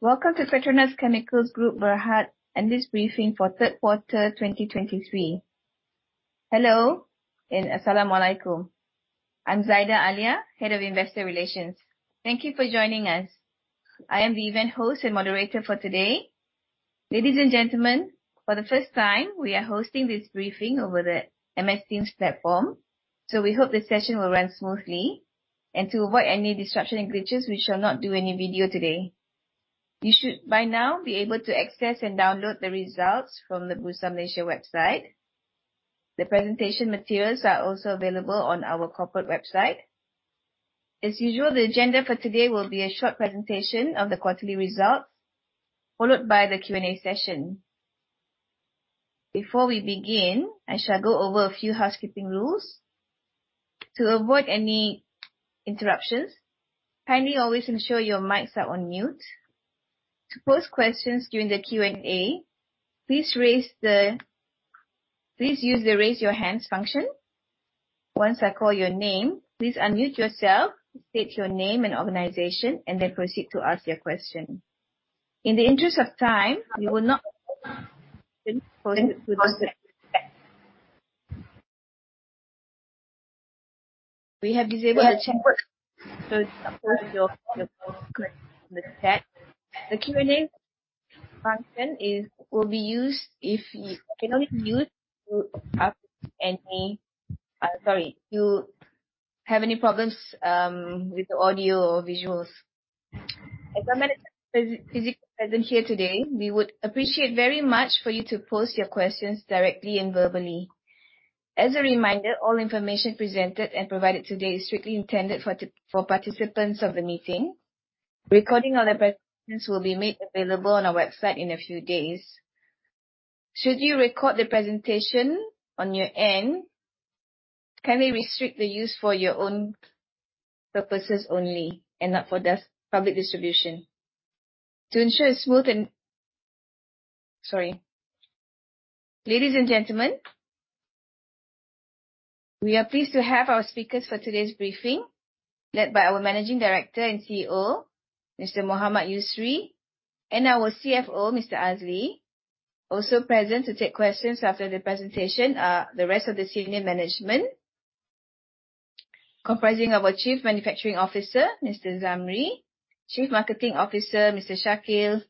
Welcome to PETRONAS Chemicals Group Berhad, and this briefing for third quarter 2023. Hello, and As-salamu alaykum. I'm Zaida Alia, Head of Investor Relations. Thank you for joining us. I am the event host and moderator for today. Ladies and gentlemen, for the first time, we are hosting this briefing over the MS Teams platform, so we hope the session will run smoothly. To avoid any disruption and glitches, we shall not do any video today. You should, by now, be able to access and download the results from the Bursa Malaysia website. The presentation materials are also available on our corporate website. As usual, the agenda for today will be a short presentation of the quarterly results, followed by the Q&A session. Before we begin, I shall go over a few housekeeping rules. To avoid any interruptions, kindly always ensure your mics are on mute. To pose questions during the Q&A, please use the Raise Your Hand function. Once I call your name, please unmute yourself, state your name and organization, and then proceed to ask your question. In the interest of time, we will not. We have disabled the chat, so please go to the chat. The Q&A function is, will be used if you. Can only be used to ask any, you have any problems, with the audio or visuals. As there are many physically present here today, we would appreciate very much for you to pose your questions directly and verbally. As a reminder, all information presented and provided today is strictly intended for participants of the meeting. Recording of the presentation will be made available on our website in a few days. Should you record the presentation on your end, kindly restrict the use for your own purposes only, and not for the public distribution. To ensure a smooth... Sorry. Ladies and gentlemen, we are pleased to have our speakers for today's briefing, led by our Managing Director and CEO, Mr. Mohammad Yusri, and our CFO, Mr. Azli. Also present to take questions after the presentation are the rest of the senior management, comprising our Chief Manufacturing Officer, Mr. Zamri, Chief Marketing Officer, Mr. Shakeel,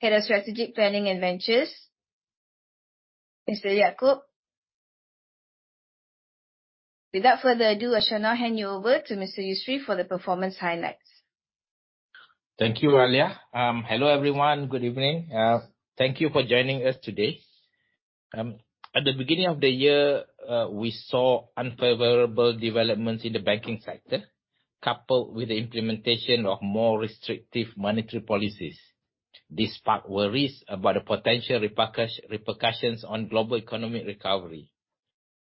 Head of Strategic Planning and Ventures, Mr. Yaacob. Without further ado, I shall now hand you over to Mr. Yusri for the performance highlights. Thank you, Alia. Hello, everyone. Good evening. Thank you for joining us today. At the beginning of the year, we saw unfavorable developments in the banking sector, coupled with the implementation of more restrictive monetary policies. This sparked worries about the potential repercussions on global economic recovery.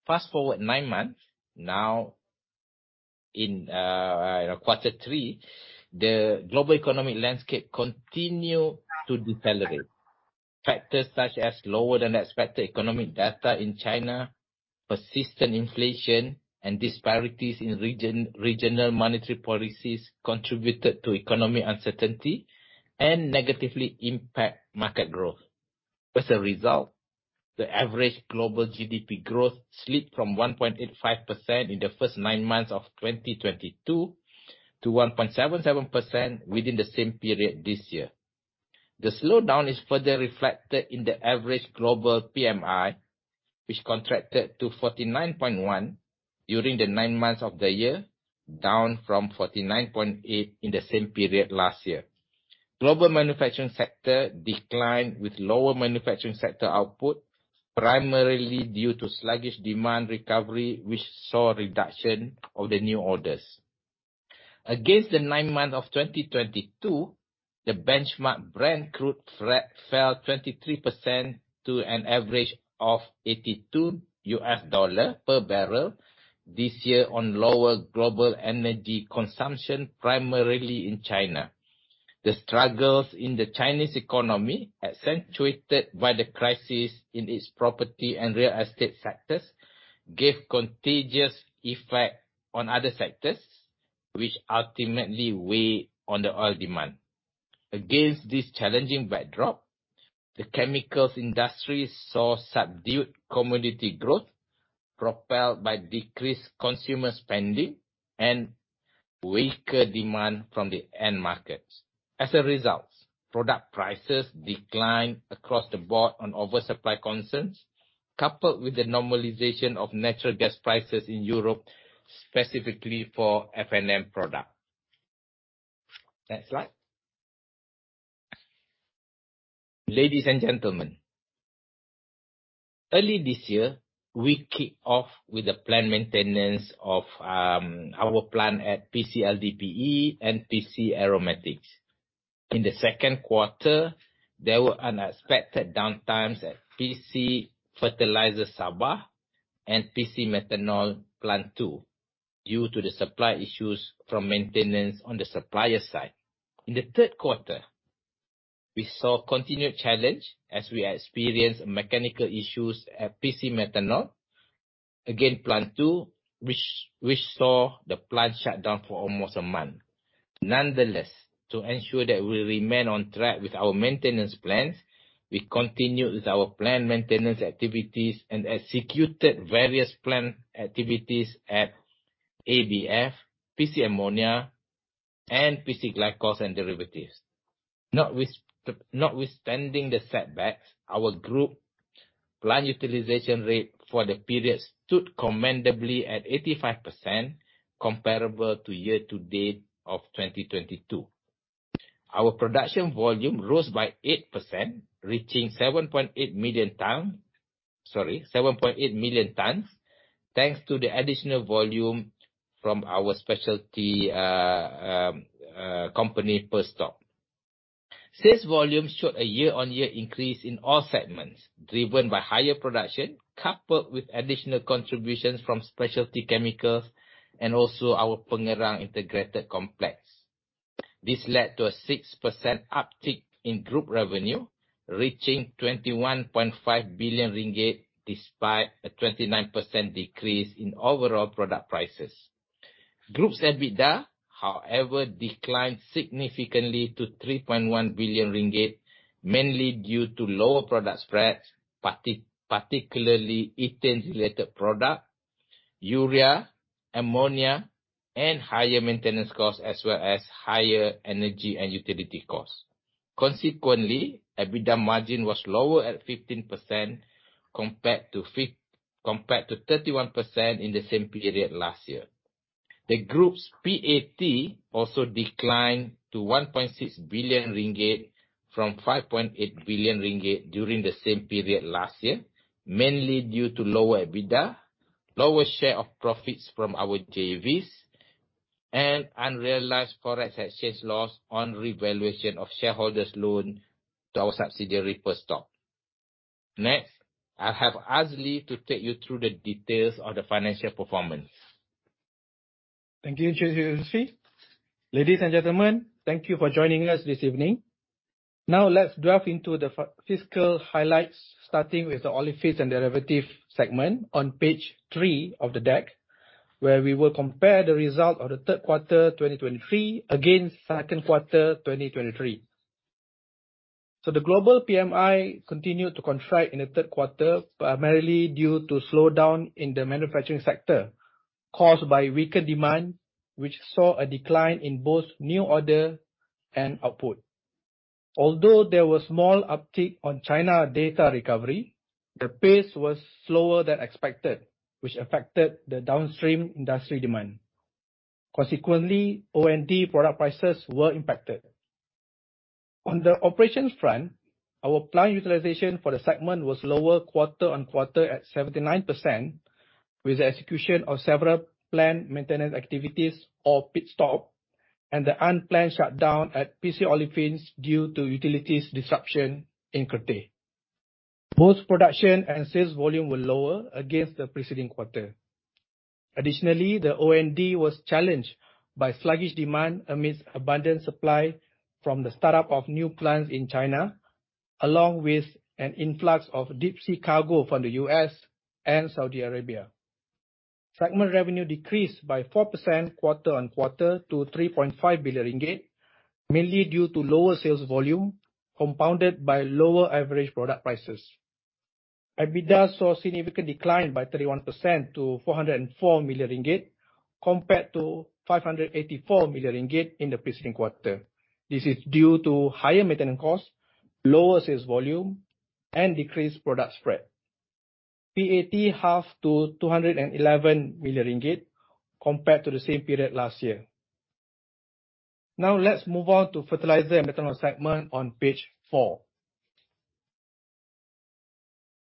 Fast-forward nine months, now in quarter three, the global economic landscape continue to decelerate. Factors such as lower-than-expected economic data in China, persistent inflation, and disparities in regional monetary policies contributed to economic uncertainty and negatively impact market growth. As a result, the average global GDP growth slipped from 1.85% in the first nine months of 2022 to 1.77% within the same period this year. The slowdown is further reflected in the average global PMI, which contracted to 49.1 during the nine months of the year, down from 49.8 in the same period last year. Global manufacturing sector declined, with lower manufacturing sector output, primarily due to sluggish demand recovery, which saw a reduction of the new orders. Against the nine months of 2022, the benchmark Brent crude price fell 23% to an average of $82 per barrel this year on lower global energy consumption, primarily in China. The struggles in the Chinese economy, accentuated by the crisis in its property and real estate sectors, gave contagious effect on other sectors, which ultimately weigh on the oil demand. Against this challenging backdrop, the chemicals industry saw subdued commodity growth, propelled by decreased consumer spending and weaker demand from the end markets. As a result, product prices declined across the board on oversupply concerns, coupled with the normalization of natural gas prices in Europe, specifically for F&M product. Next slide. Ladies and gentlemen, early this year, we kicked off with the plant maintenance of our plant at PC LDPE and PC Aromatics. In the second quarter, there were unexpected downtimes at PC Fertiliser Sabah and PC Methanol 2 due to the supply issues from maintenance on the supplier side. In the third quarter, we saw continued challenge as we experienced mechanical issues at PC Methanol Plant Two again, which saw the plant shut down for almost a month. Nonetheless, to ensure that we remain on track with our maintenance plans, we continued with our plant maintenance activities and executed various plant activities at ABF, PC Ammonia, and PC Glycols and Derivatives. Notwithstanding the setbacks, our group plant utilization rate for the period stood commendably at 85%, comparable to year-to-date of 2022. Our production volume rose by 8%, reaching 7.8 million tons, thanks to the additional volume from our specialty company, Perstorp. Sales volume showed a year-on-year increase in all segments, driven by higher production, coupled with additional contributions from Specialty Chemicals and also our Pengerang Integrated Complex. This led to a 6% uptick in group revenue, reaching 21.5 billion ringgit, despite a 29% decrease in overall product prices. Group's EBITDA, however, declined significantly to 3.1 billion ringgit, mainly due to lower product spreads, particularly ethane-related product, urea, ammonia, and higher maintenance costs, as well as higher energy and utility costs. Consequently, EBITDA margin was lower at 15%, compared to 31% in the same period last year. The group's PAT also declined to 1.6 billion ringgit from 5.8 billion ringgit during the same period last year, mainly due to lower EBITDA, lower share of profits from our JVs, and unrealized foreign exchange loss on revaluation of shareholders' loan to our subsidiary, Perstorp. Next, I'll have Azli to take you through the details of the financial performance. Thank you, Che Yusri. Ladies and gentlemen, thank you for joining us this evening. Now, let's dive into the fiscal highlights, starting with the Olefins & Derivatives segment on page three of the deck, where we will compare the result of the third quarter 2023 against second quarter 2023. So the global PMI continued to contract in the third quarter, primarily due to slowdown in the manufacturing sector caused by weaker demand, which saw a decline in both new order and output. Although there was small uptick on China data recovery, the pace was slower than expected, which affected the downstream industry demand. Consequently, O&D product prices were impacted. On the operations front, our plant utilization for the segment was lower quarter-on-quarter at 79%, with the execution of several plant maintenance activities or pit stop, and the unplanned shutdown at PC Olefins due to utilities disruption in Kerteh. Both production and sales volume were lower against the preceding quarter. Additionally, the O&D was challenged by sluggish demand amidst abundant supply from the startup of new plants in China, along with an influx of deep sea cargo from the U.S. and Saudi Arabia. Segment revenue decreased by 4% quarter-on-quarter to 3.5 billion ringgit, mainly due to lower sales volume, compounded by lower average product prices. EBITDA saw a significant decline by 31% to 404 million ringgit, compared to 584 million ringgit in the preceding quarter. This is due to higher maintenance costs, lower sales volume, and decreased product spread. PAT halved to 211 million ringgit compared to the same period last year. Now, let's move on to Fertiliser & Methanol segment on page four.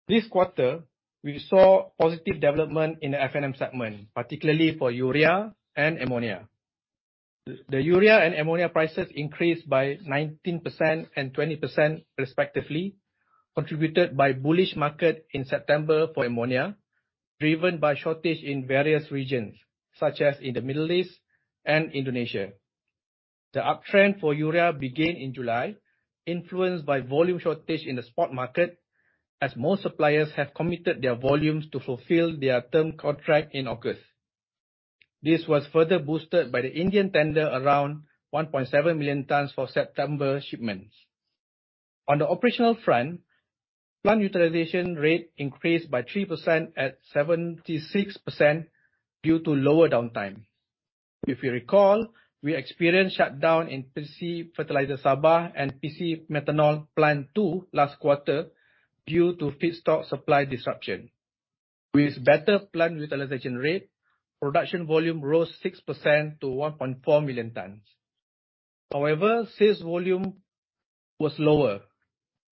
This quarter, we saw positive development in the F&M segment, particularly for urea and ammonia. The urea and ammonia prices increased by 19% and 20% respectively, contributed by bullish market in September for ammonia, driven by shortage in various regions, such as in the Middle East and Indonesia. The uptrend for urea began in July, influenced by volume shortage in the spot market, as most suppliers have committed their volumes to fulfill their term contract in August. This was further boosted by the Indian tender around 1.7 million tons for September shipments. On the operational front, plant utilization rate increased by 3% at 76% due to lower downtime. If you recall, we experienced shutdown in PC Fertiliser Sabah and PC Methanol Plant two last quarter due to feedstock supply disruption. With better plant utilization rate, production volume rose 6% to 1.4 million tons. However, sales volume was lower,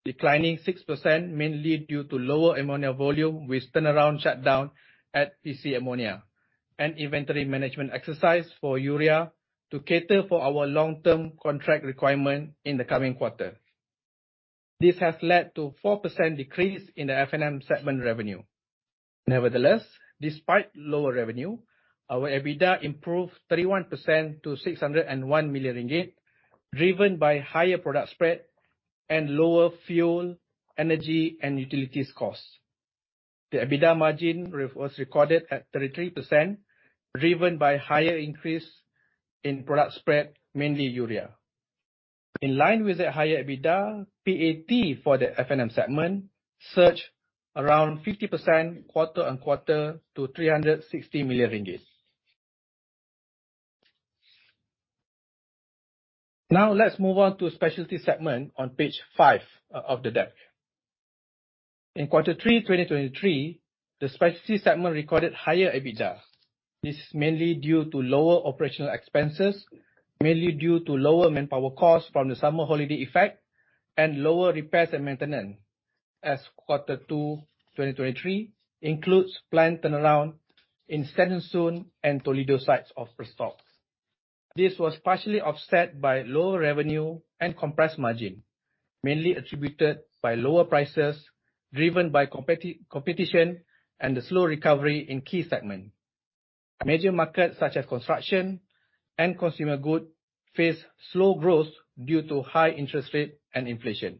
declining 6%, mainly due to lower ammonia volume, with turnaround shutdown at PC Ammonia and inventory management exercise for urea to cater for our long-term contract requirement in the coming quarter. This has led to 4% decrease in the F&M segment revenue. Nevertheless, despite lower revenue, our EBITDA improved 31% to 601 million ringgit, driven by higher product spread and lower fuel, energy, and utilities costs. The EBITDA margin was recorded at 33%, driven by higher increase in product spread, mainly urea. In line with the higher EBITDA, PAT for the F&M segment surged around 50% quarter on quarter to 360 million ringgit. Now, let's move on to Specialty segment on page 5 of the deck. In quarter three, 2023, the Specialty segment recorded higher EBITDA. This is mainly due to lower operational expenses, mainly due to lower manpower costs from the summer holiday effect and lower repairs and maintenance, as quarter two, 2023 includes plant turnaround in Stenungsund and Toledo sites of Perstorp. This was partially offset by lower revenue and compressed margin, mainly attributed by lower prices, driven by competition and the slow recovery in key segment. Major markets, such as construction and consumer good, face slow growth due to high interest rate and inflation.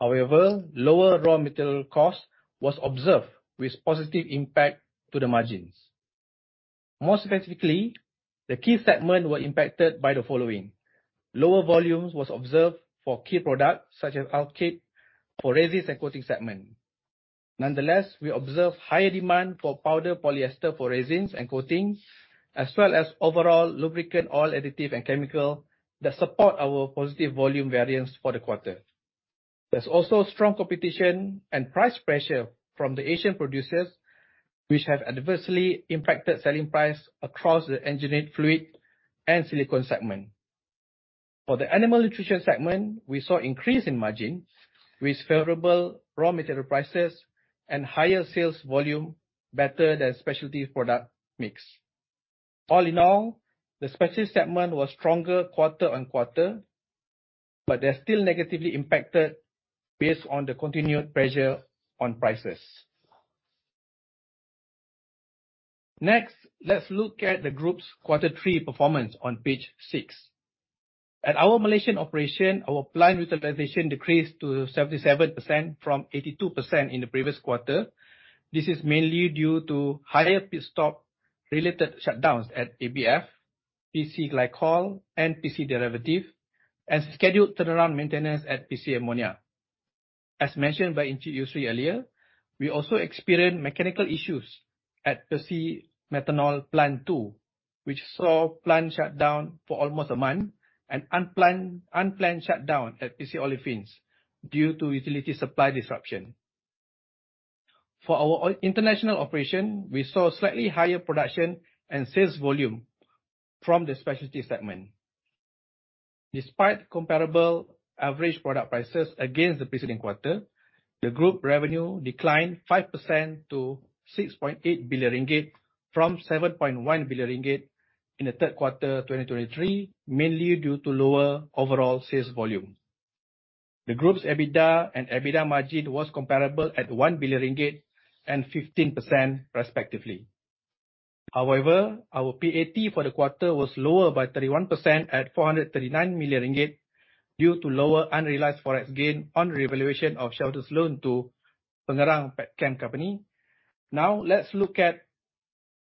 However, lower raw material cost was observed with positive impact to the margins. More specifically, the key segment were impacted by the following: Lower volumes was observed for key products, such as Alkyd, for Resins & Coatings segment. Nonetheless, we observed higher demand for powder polyester, for resins and coatings, as well as overall lubricant oil additive and chemical that support our positive volume variance for the quarter. There's also strong competition and price pressure from the Asian producers, which have adversely impacted selling price across the Engineered Fluids and Silicones segment. For the Animal Nutrition segment, we saw increase in margin with favorable raw material prices and higher sales volume, better than specialty product mix. All in all, the Specialty segment was stronger quarter-on-quarter, but they're still negatively impacted based on the continued pressure on prices. Next, let's look at the group's quarter three performance on page 6. At our Malaysian operation, our plant utilization decreased to 77% from 82% in the previous quarter. This is mainly due to higher pit stop related shutdowns at ABF, PC Glycols and PC Derivatives, and scheduled turnaround maintenance at PC Ammonia. As mentioned by Encik Yusri earlier, we also experienced mechanical issues at PC Methanol Plant 2, which saw plant shut down for almost a month, and unplanned shutdown at PC Olefins due to utility supply disruption. For our international operation, we saw slightly higher production and sales volume from the Specialty segment. Despite comparable average product prices against the preceding quarter, the group revenue declined 5% to 6.8 billion ringgit, from 7.1 billion ringgit in the third quarter of 2023, mainly due to lower overall sales volume. The Group's EBITDA and EBITDA margin was comparable at 1 billion ringgit and 15% respectively. However, our PAT for the quarter was lower by 31% at 439 million ringgit, due to lower unrealized Forex gain on revaluation of shareholders' loan to Pengerang Petchem Company. Now, let's look at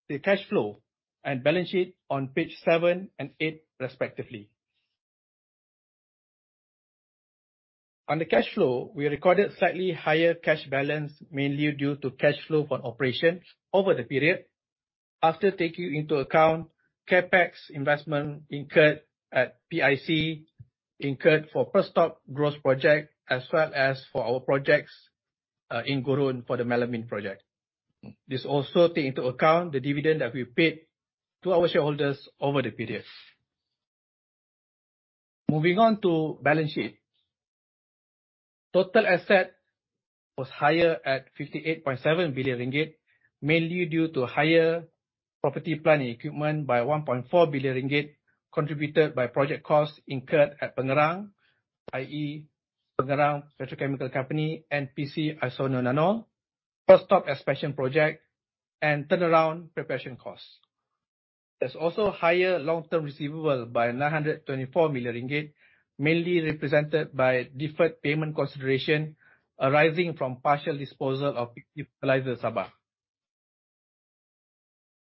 the cash flow and balance sheet on pages seven and eight, respectively. On the cash flow, we recorded slightly higher cash balance, mainly due to cash flow from operations over the period. After taking into account CapEx investment incurred at PIC, incurred for Perstorp growth project, as well as for our projects, in Gurun, for the melamine project. This also take into account the dividend that we paid to our shareholders over the periods. Moving on to balance sheet. Total assets was higher at 58.7 billion ringgit, mainly due to higher property, plant and equipment by 1.4 billion ringgit, contributed by project costs incurred at Pengerang, i.e. Pengerang Petrochemical Company and PC Isononanol, Perstorp expansion project and turnaround preparation costs. There's also higher long-term receivable by 924 million ringgit, mainly represented by deferred payment consideration arising from partial disposal of Fertiliser Sabah.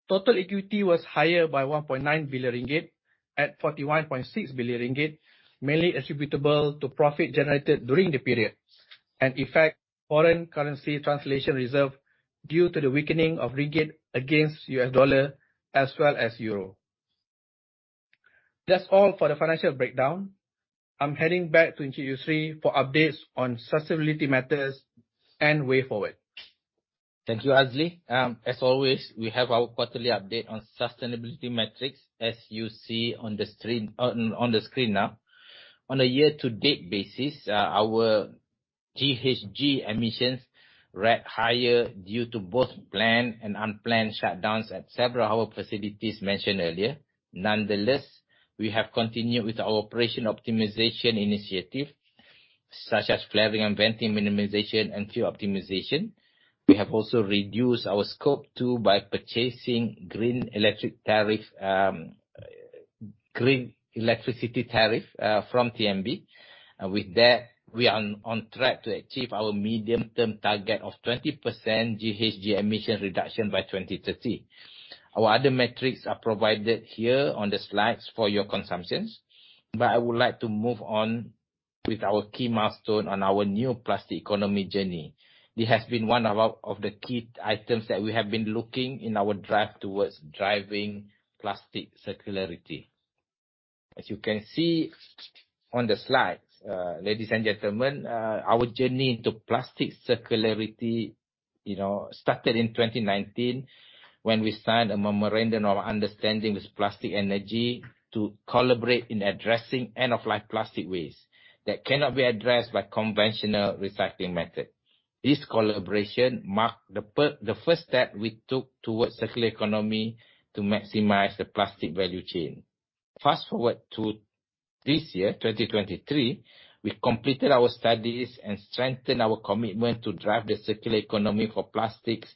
Total equity was higher by 1.9 billion ringgit, at 41.6 billion ringgit, mainly attributable to profit generated during the period, and effect foreign currency translation reserve due to the weakening of ringgit against U.S. dollar as well as euro. That's all for the financial breakdown. I'm heading back to Encik Yusri for updates on sustainability matters and way forward. Thank you, Azli. As always, we have our quarterly update on sustainability metrics, as you see on the screen, on the screen now. On a year-to-date basis, our GHG emissions rate higher due to both planned and unplanned shutdowns at several our facilities mentioned earlier. Nonetheless, we have continued with our Operation Optimization initiative, such as flaring and venting minimization and fuel optimization. We have also reduced our Scope 2 by purchasing green electricity tariff from TNB, and with that, we are on track to achieve our medium-term target of 20% GHG emission reduction by 2030. Our other metrics are provided here on the slides for your consumptions, but I would like to move on with our key milestone on our new plastic economy journey. This has been one of our, of the key items that we have been looking in our drive towards driving plastic circularity. As you can see on the slides, ladies and gentlemen, our journey into plastic circularity, you know, started in 2019, when we signed a memorandum of understanding with Plastic Energy to collaborate in addressing end-of-life plastic waste that cannot be addressed by conventional recycling method. This collaboration marked the first step we took towards circular economy to maximize the plastic value chain. Fast-forward to this year, 2023, we completed our studies and strengthened our commitment to drive the circular economy for plastics,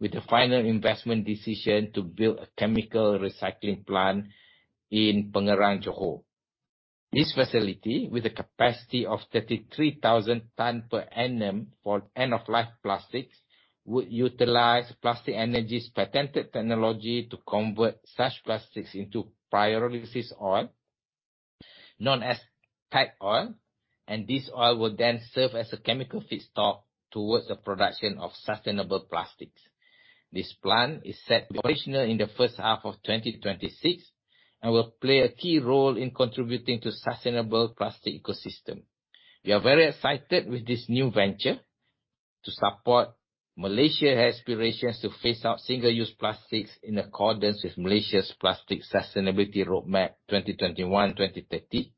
with the final investment decision to build a chemical recycling plant in Pengerang, Johor. This facility, with a capacity of 33,000 tons per annum for end-of-life plastics, would utilize Plastic Energy's patented technology to convert such plastics into pyrolysis oil, known as TACOIL, and this oil will then serve as a chemical feedstock towards the production of sustainable plastics. This plant is set to be operational in the first half of 2026, and will play a key role in contributing to sustainable plastic ecosystem. We are very excited with this new venture to support Malaysia's aspirations to phase out single-use plastics in accordance with Malaysia's Plastic Sustainability Roadmap, 2021, 2030,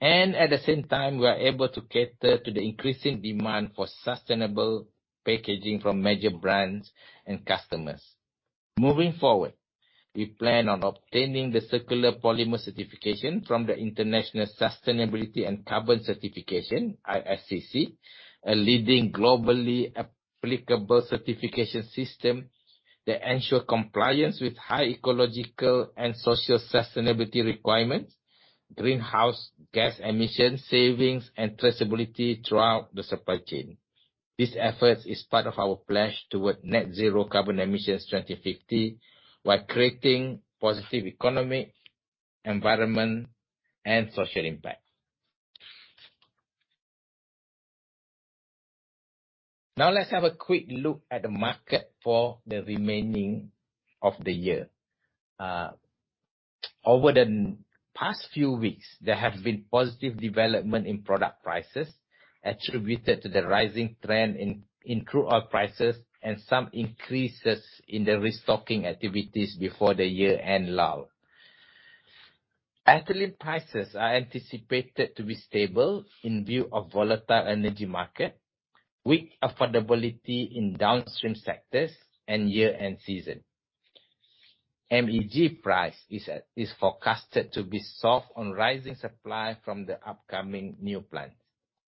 and at the same time, we are able to cater to the increasing demand for sustainable packaging from major brands and customers. Moving forward, we plan on obtaining the Circular Polymer Certification from the International Sustainability and Carbon Certification, ISCC, a leading globally applicable certification system that ensure compliance with high ecological and social sustainability requirements, greenhouse gas emission savings, and traceability throughout the supply chain. This effort is part of our pledge toward net zero carbon emissions 2050, while creating positive economy, environment, and social impact. Now, let's have a quick look at the market for the remaining of the year. Over the past few weeks, there have been positive development in product prices, attributed to the rising trend in, in crude oil prices and some increases in the restocking activities before the year-end lull. Ethylene prices are anticipated to be stable in view of volatile energy market, weak affordability in downstream sectors, and year-end season. MEG price is at, is forecasted to be soft on rising supply from the upcoming new plant.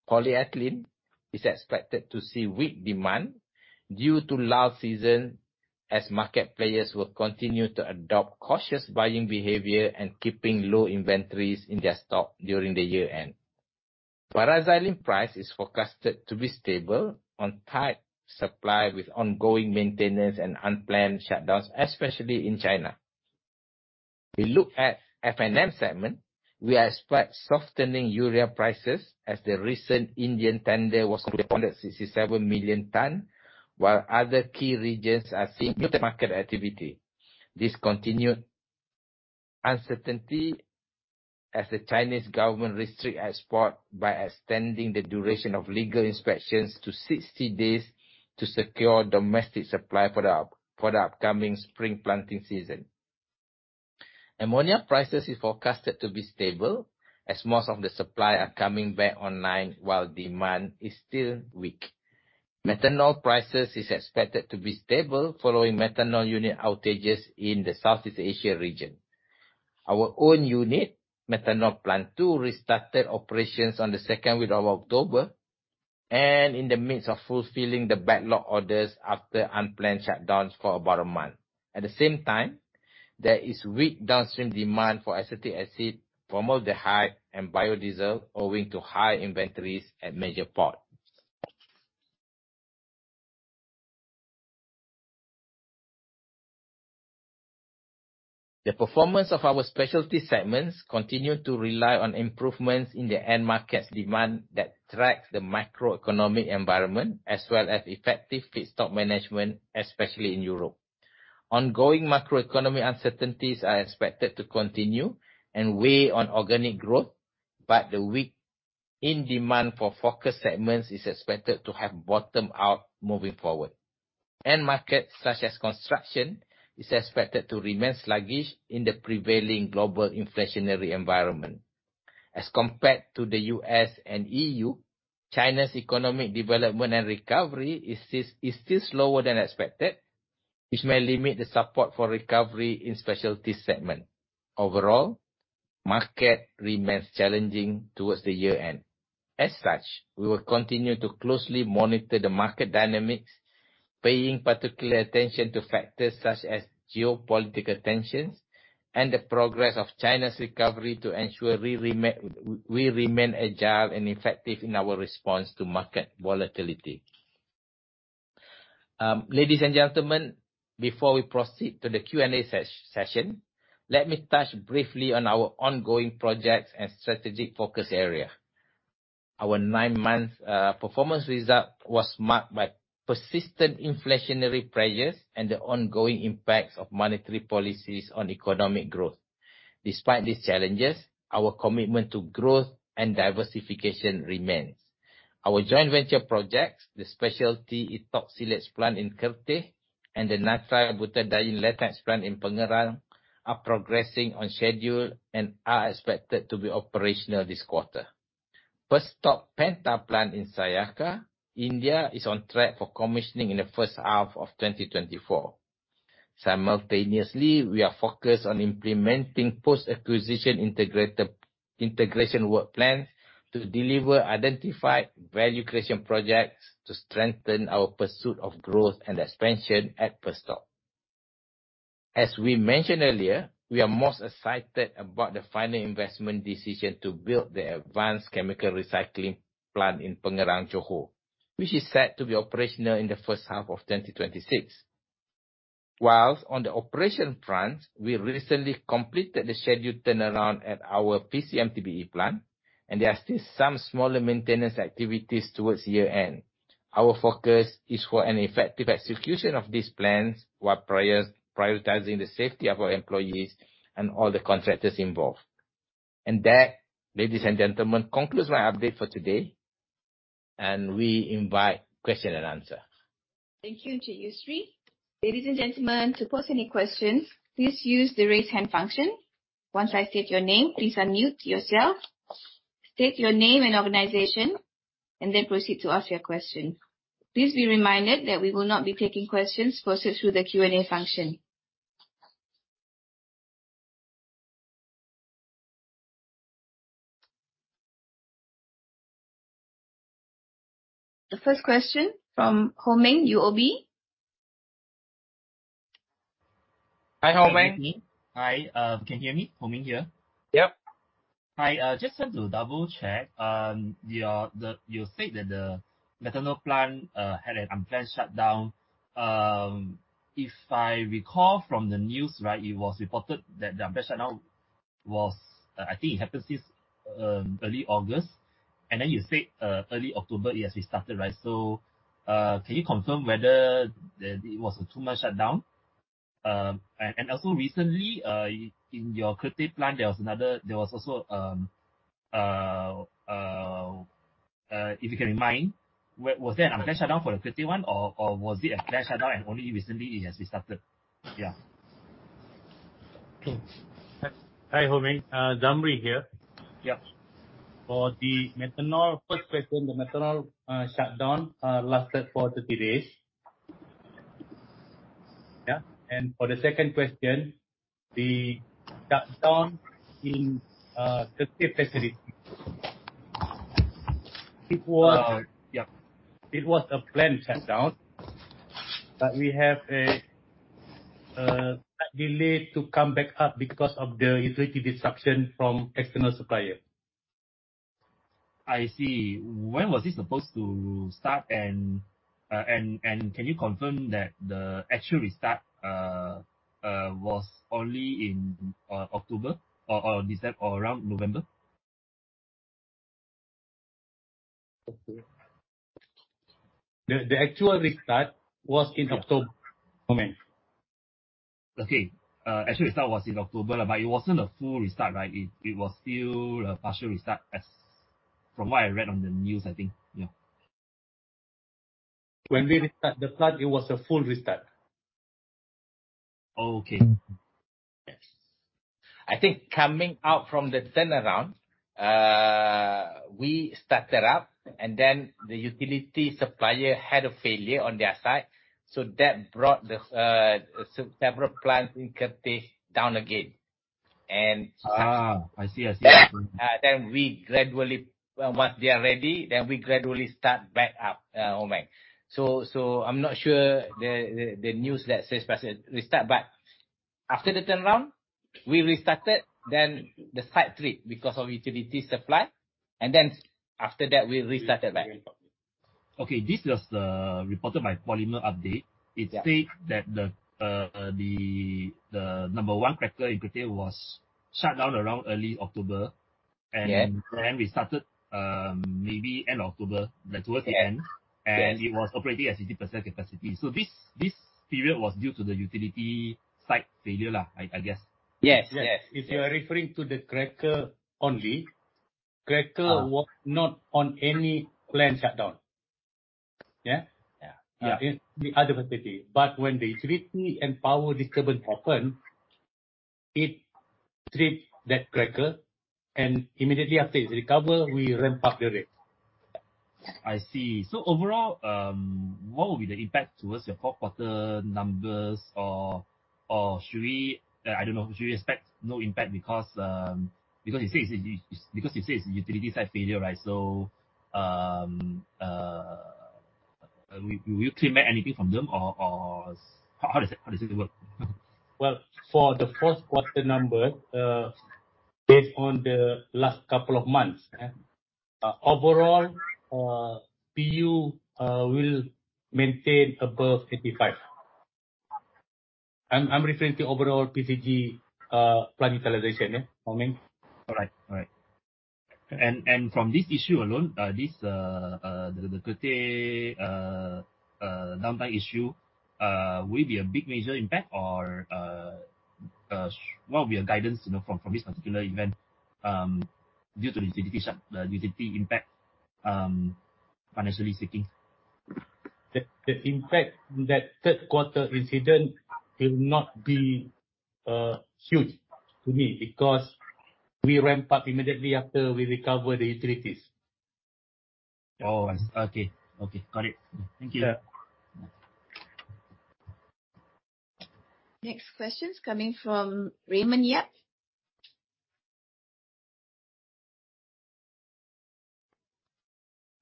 Polyethylene is expected to see weak demand due to lull season, as market players will continue to adopt cautious buying behavior and keeping low inventories in their stock during the year-end. Paraxylene price is forecasted to be stable on tight supply, with ongoing maintenance and unplanned shutdowns, especially in China. We look at F&M segment. We expect softening urea prices as the recent Indian tender was completed on the 67 million ton, while other key regions are seeing market activity. This continued uncertainty as the Chinese government restrict export by extending the duration of legal inspections to 60 days, to secure domestic supply for the upcoming spring planting season. Ammonia prices is forecasted to be stable, as most of the supply are coming back online, while demand is still weak. Methanol prices is expected to be stable, following methanol unit outages in the Southeast Asia region. Our own unit, Methanol Plant Two, restarted operations on the second week of October, and in the midst of fulfilling the backlog orders after unplanned shutdowns for about a month. At the same time, there is weak downstream demand for acetic acid, formaldehyde, and biodiesel, owing to high inventories at major port. The performance of our Specialty segments continue to rely on improvements in the end markets demand, that tracks the macroeconomic environment, as well as effective feedstock management, especially in Europe. Ongoing macroeconomic uncertainties are expected to continue and weigh on organic growth, but the weak in demand for focus segments is expected to have bottomed out moving forward. End markets, such as construction, is expected to remain sluggish in the prevailing global inflationary environment. As compared to the U.S. and EU, China's economic development and recovery is still, is still slower than expected, which may limit the support for recovery in Specialty segment. Overall, market remains challenging towards the year-end. As such, we will continue to closely monitor the market dynamics, paying particular attention to factors such as geopolitical tensions and the progress of China's recovery, to ensure we remain, we, we remain agile and effective in our response to market volatility. Ladies and gentlemen, before we proceed to the Q&A session, let me touch briefly on our ongoing projects and strategic focus area. Our nine-month performance result was marked by persistent inflationary pressures and the ongoing impacts of monetary policies on economic growth. Despite these challenges, our commitment to growth and diversification remains. Our joint venture projects, the specialty ethoxylates plant in Kerteh and the nitrile butadiene latex plant in Pengerang, are progressing on schedule and are expected to be operational this quarter. Perstorp Penta plant in Sayakha, India, is on track for commissioning in the first half of 2024. Simultaneously, we are focused on implementing post-acquisition integration work plans to deliver identified value creation projects to strengthen our pursuit of growth and expansion at Perstorp. As we mentioned earlier, we are most excited about the final investment decision to build the advanced chemical recycling plant in Pengerang, Johor, which is set to be operational in the first half of 2026. While on the operation front, we recently completed the scheduled turnaround at our PC MTBE plant, and there are still some smaller maintenance activities towards year-end. Our focus is for an effective execution of these plans, while prioritizing the safety of our employees and all the contractors involved. That, ladies and gentlemen, concludes my update for today, and we invite question and answer. Thank you, Sri. Ladies and gentlemen, to pose any questions, please use the Raise Hand function. Once I state your name, please unmute yourself, state your name and organization, and then proceed to ask your question. Please be reminded that we will not be taking questions posted through the Q&A function. The first question from Ho Meng, UOB. Hi, Ho Meng. Hi, can you hear me? Ho Meng here. Yep. I just want to double-check. You said that the methanol plant had an unplanned shutdown. If I recall from the news, right, it was reported that the unplanned shutdown was, I think it happened since early August. And then you said early October, it has restarted, right? So, can you confirm whether it was a two-month shutdown? And also recently, in your Kerteh plant, there was also if you can remind where was there an unplanned shutdown for the Kerteh one or was it a planned shutdown and only recently it has restarted? Yeah. Hi, Ho Meng, Zamri here. Yep. For the methanol, first question, the methanol, shutdown, lasted for 30 days. Yeah. And for the second question, the shutdown in, Kerteh facility, it was- Uh, yeah. It was a planned shutdown, but we have a slight delay to come back up because of the utility disruption from external supplier. I see. When was this supposed to start? And can you confirm that the actual restart was only in October or December, or around November? The actual restart was in October, Ho Meng. Okay. Actual restart was in October, but it wasn't a full restart, right? It was still a partial restart, as from what I read on the news, I think. Yeah. When we restart the plant, it was a full restart. Oh, okay. Yes. I think coming out from the turnaround, we started up, and then the utility supplier had a failure on their side, so that brought the several plants in Kerteh down again. And- Ah, I see. I see. Then we gradually... Once they are ready, then we gradually start back up, Ho Meng. So, I'm not sure the news that says partial restart, but after the turnaround, we restarted, then the site tripped because of utility supply, and then after that, we restarted back. Okay. This was reported by Polymer Update. Yeah. It states that the number one cracker in Kerteh was shut down around early October- Yes. - and then restarted, maybe end of October, like, towards the end. Yes. It was operating at 60% capacity. This period was due to the utility site failure, I guess? Yes, yes. If you are referring to the cracker only. Uh. was not on any planned shutdown. Yeah? Yeah. In the other facility. But when the utility and power disturbance happened, it tripped that cracker, and immediately after it recover, we ramp up the rate.... I see. So overall, what will be the impact towards your fourth quarter numbers? Or should we, I don't know, should we expect no impact because you say it's utility-side failure, right? So, will you claim anything from them, or how does it work? Well, for the fourth quarter number, based on the last couple of months, overall, PU will maintain above 85. I'm referring to overall PCG plant utilization, yeah, I mean. All right. All right. From this issue alone, the Kerteh downtime issue, will it be a big, major impact or what will be your guidance, you know, from this particular event due to the utility side, the utility impact, financially speaking? The impact that third quarter incident will not be huge to me because we ramp up immediately after we recover the utilities. Oh, okay. Okay, got it. Thank you. Yeah. Next question is coming from Raymond Yap.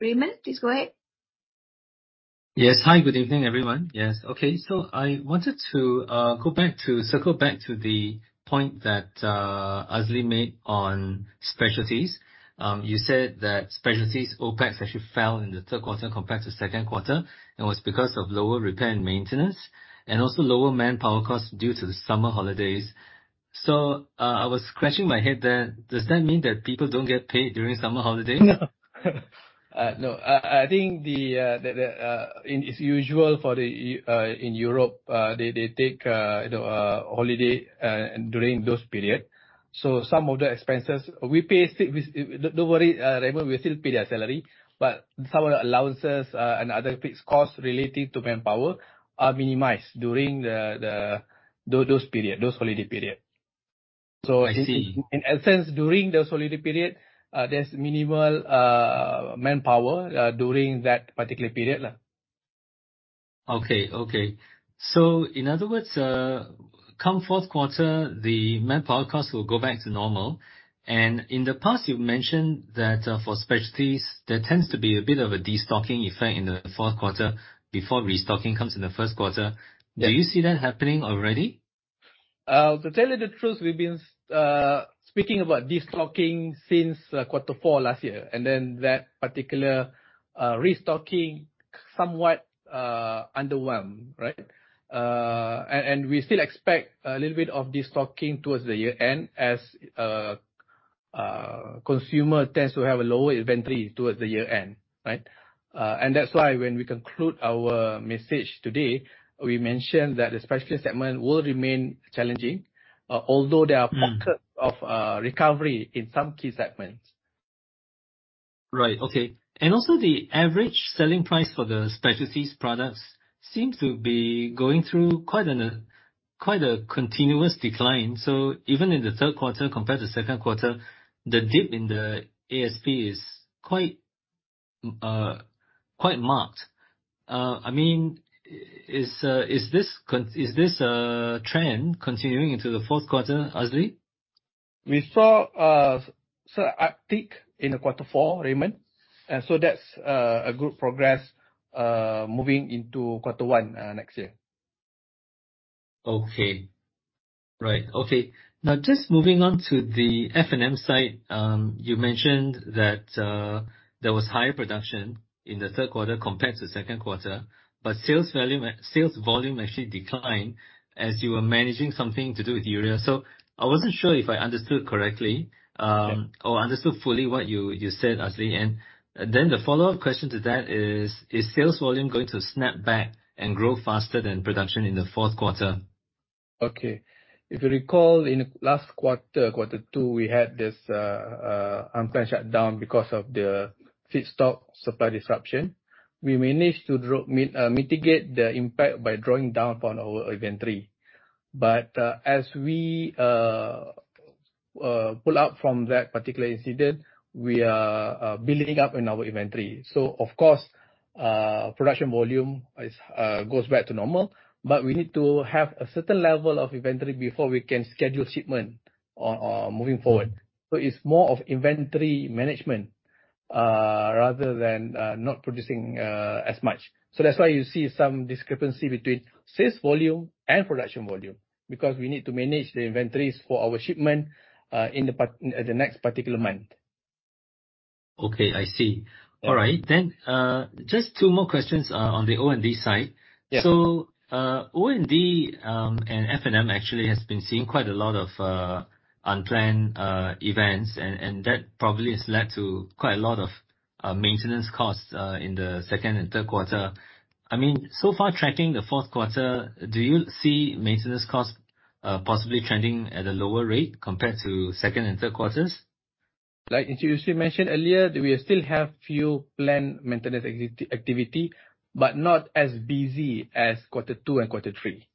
Raymond, please go ahead. Yes. Hi, good evening, everyone. Yes. Okay, so I wanted to go back to, circle back to the point that Azli made on specialties. You said that specialties OpEx actually fell in the third quarter compared to second quarter, and was because of lower repair and maintenance, and also lower manpower costs due to the summer holidays. So, I was scratching my head there. Does that mean that people don't get paid during summer holiday? No. No, I think it's usual in Europe, they take, you know, holiday during those period. So some of the expenses we pay still... Don't worry, Raymond, we still pay their salary, but some of the allowances and other fixed costs related to manpower are minimized during those period, those holiday period. So- I see. In a sense, during those holiday period, there's minimal manpower during that particular period. Okay, okay. So in other words, come fourth quarter, the manpower cost will go back to normal. And in the past, you've mentioned that, for specialties, there tends to be a bit of a destocking effect in the fourth quarter before restocking comes in the first quarter. Yeah. Do you see that happening already? To tell you the truth, we've been speaking about destocking since quarter four last year, and then that particular restocking somewhat underwhelmed, right? And we still expect a little bit of destocking towards the year-end, as consumer tends to have a lower inventory towards the year-end, right? And that's why when we conclude our message today, we mentioned that the Specialty segment will remain challenging, although there are- Mm... pockets of recovery in some key segments. Right. Okay. And also, the average selling price for the specialties products seems to be going through quite a continuous decline. So even in the third quarter compared to second quarter, the dip in the ASP is quite marked. I mean, is this trend continuing into the fourth quarter, Azli? We saw, so uptick in the quarter four, Raymond, so that's a good progress moving into quarter one next year. Okay. Right. Okay. Now, just moving on to the F&M side. You mentioned that there was higher production in the third quarter compared to second quarter, but sales volume, sales volume actually declined as you were managing something to do with urea. So I wasn't sure if I understood correctly. Yeah ...or understood fully what you said, Azli. And then the follow-up question to that is: Is sales volume going to snap back and grow faster than production in the fourth quarter? Okay. If you recall, in last quarter, quarter two, we had this unplanned shutdown because of the feedstock supply disruption. We managed to mitigate the impact by drawing down on our inventory. But, as we pull out from that particular incident, we are building up in our inventory. So of course, production volume is goes back to normal, but we need to have a certain level of inventory before we can schedule shipment moving forward. Mm. So it's more of inventory management, rather than not producing as much. So that's why you see some discrepancy between sales volume and production volume, because we need to manage the inventories for our shipment in the part, the next particular month. Okay, I see. Yeah. All right, then, just two more questions, on the O&D side. Yeah. O&D and F&M actually has been seeing quite a lot of unplanned events, and that probably has led to quite a lot of maintenance costs in the second and third quarter. I mean, so far, tracking the fourth quarter, do you see maintenance costs possibly trending at a lower rate compared to second and third quarters? Like, as we mentioned earlier, we still have few planned maintenance activity, but not as busy as quarter two and quarter three.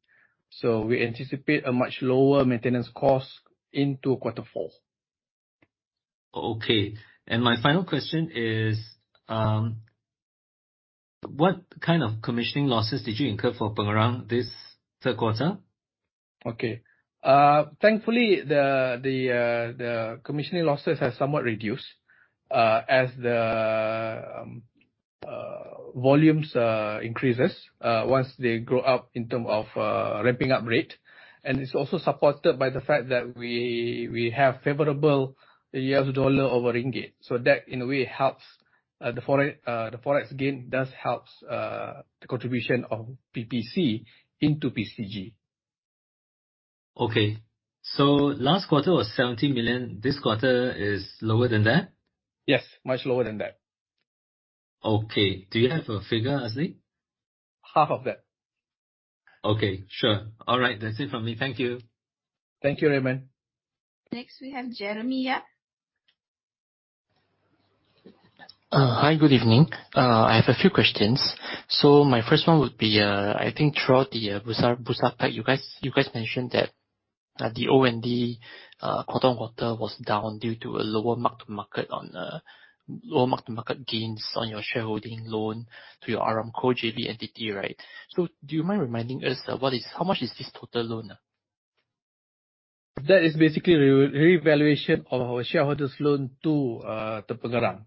We anticipate a much lower maintenance cost into quarter four.... Okay, and my final question is, what kind of commissioning losses did you incur for Pengerang this third quarter? Okay. Thankfully, the commissioning losses have somewhat reduced as the volumes increases once they grow up in term of ramping up rate. And it's also supported by the fact that we have favorable US dollar over ringgit. So that, in a way, helps the forex. The forex gain does helps the contribution of PPC into PCG. Okay. So last quarter was 70 million. This quarter is lower than that? Yes, much lower than that. Okay. Do you have a figure, Azli? Half of that. Okay, sure. All right, that's it for me. Thank you. Thank you, Raymond. Next, we have Jeremie Yap. Hi, good evening. I have a few questions. So my first one would be, I think throughout the Bursa pack, you guys mentioned that the O&D quarter-on-quarter was down due to lower mark-to-market gains on your shareholding loan to your Aramco JV entity, right? So do you mind reminding us, what is—how much is this total loan? That is basically revaluation of our shareholders loan to Pengerang.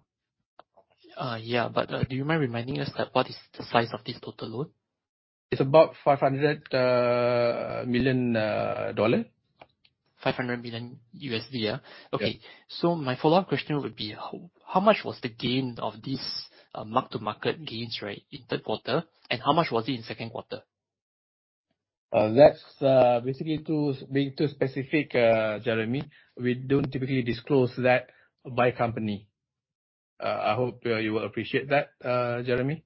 Yeah, but, do you mind reminding us, what is the size of this total loan? It's about $500 million. $500 million, yeah? Yeah. Okay. So my follow-up question would be: how, how much was the gain of this, mark-to-market gains, right, in third quarter? And how much was it in second quarter? That's basically being too specific, Jeremy. We don't typically disclose that by company. I hope you will appreciate that, Jeremy.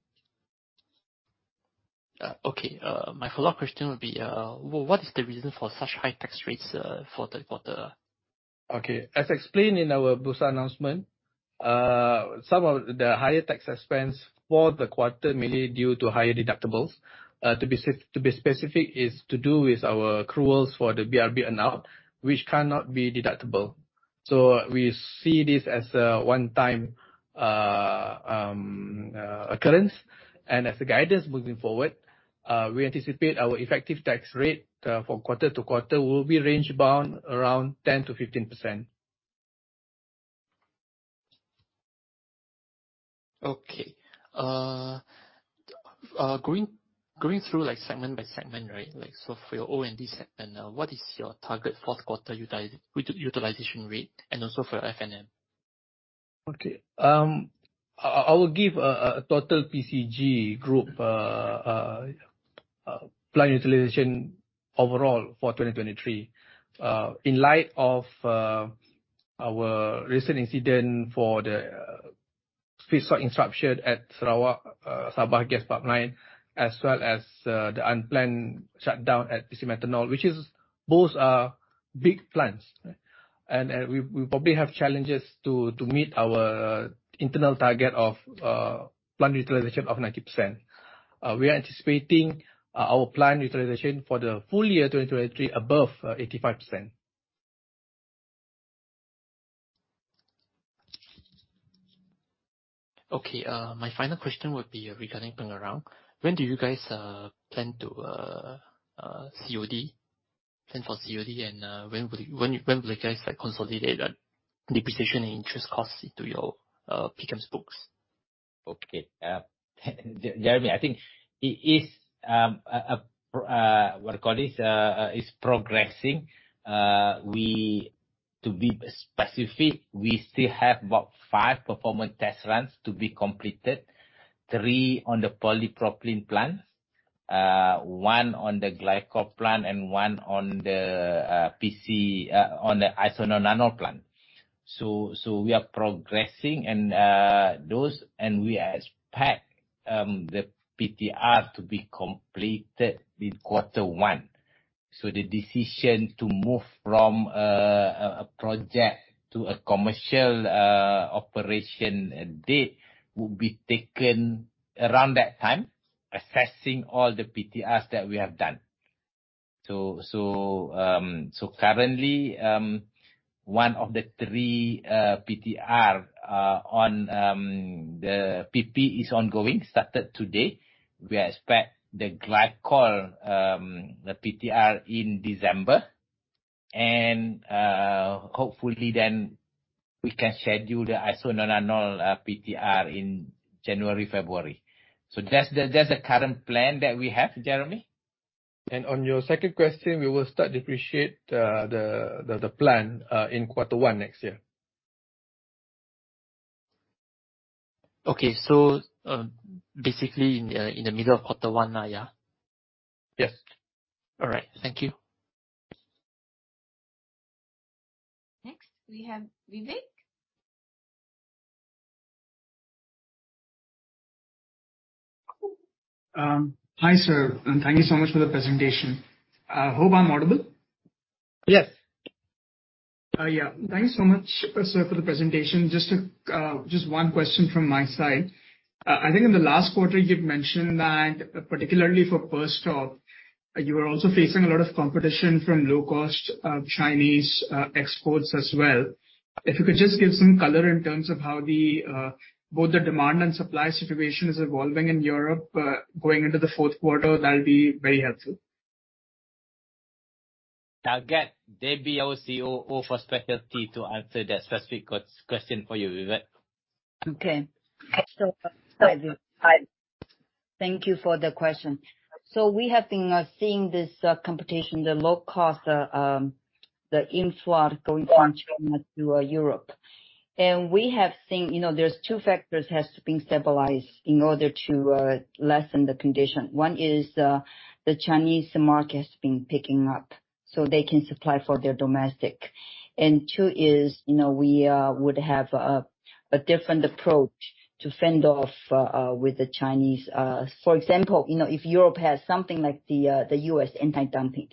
Okay. My follow-up question would be, what is the reason for such high tax rates for the quarter? Okay. As explained in our Bursa announcement, some of the higher tax expense for the quarter, mainly due to higher deductibles. To be specific, is to do with our accruals for the BRB announcement, which cannot be deductible. So we see this as a one-time occurrence. As a guidance moving forward, we anticipate our effective tax rate, for quarter to quarter, will be range bound around 10%-15%. Okay. Going through, like, segment by segment, right? Like, so for your O&D segment, what is your target fourth quarter utilization rate and also for F&M? Okay, I will give a total PCG group plant utilization overall for 2023. In light of our recent incident for the feedstock interruption at Sarawak, Sabah gas pipeline, as well as the unplanned shutdown at PC Methanol, which is... Both are big plants, and we probably have challenges to meet our internal target of plant utilization of 90%. We are anticipating our plant utilization for the full year 2023 above 85%. Okay, my final question would be regarding Pengerang. When do you guys plan to COD, plan for COD? And when will you guys like consolidate depreciation and interest costs into your PCEMS books? Okay, Jeremy, I think it is progressing. To be specific, we still have about five performance test runs to be completed. Three on the polypropylene plants, one on the glycol plant, and one on the PC isononanol plant. So we are progressing, and those and we expect the PTR to be completed in quarter one. So the decision to move from a project to a commercial operation date will be taken around that time, assessing all the PTRs that we have done. So currently, one of the three PTR on the PP is ongoing, started today. We expect the glycol PTR in December, and hopefully then we can schedule the isononanol PTR in January, February. That's the current plan that we have, Jeremy. On your second question, we will start depreciate the plant in quarter one next year. Okay. So, basically, in the middle of quarter one, now, yeah? Yes. All right. Thank you. Next, we have Vivek. Hi, sir, and thank you so much for the presentation. Hope I'm audible? Yes. Yeah. Thank you so much, sir, for the presentation. Just to, just one question from my side.... I think in the last quarter, you've mentioned that particularly for first quarter, you were also facing a lot of competition from low-cost, Chinese, exports as well. If you could just give some color in terms of how the, both the demand and supply situation is evolving in Europe, going into the fourth quarter, that'll be very helpful. I'll get Debbie, our COO for specialty, to answer that specific question for you, Vivek. Okay. So, hi, thank you for the question. So we have been seeing this competition, the low cost, the influx going from China to Europe. And we have seen, you know, there's two factors has been stabilized in order to lessen the condition. One is the Chinese market has been picking up, so they can supply for their domestic. And two is, you know, we would have a different approach to fend off with the Chinese. For example, you know, if Europe has something like the U.S. anti-dumping.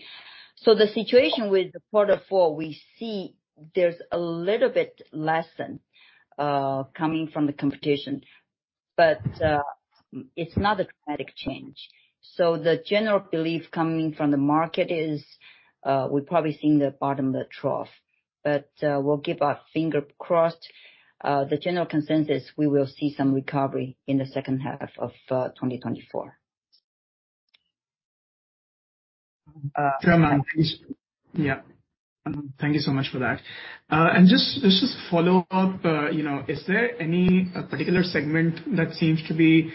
So the situation with the quarter four, we see there's a little bit lessen coming from the competition, but it's not a dramatic change. The general belief coming from the market is, we've probably seen the bottom, the trough, but, we'll keep our finger crossed. The general consensus, we will see some recovery in the second half of 2024. Sure, ma'am. Yeah. Thank you so much for that. And just to follow up, you know, is there any particular segment that seems to be